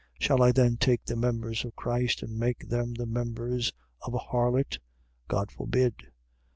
Shall I then take the members of Christ and make them the members of an harlot? God forbid!